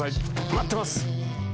待ってます！